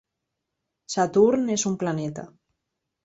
Saturn és un planeta.